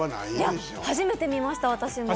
初めて見ました私も。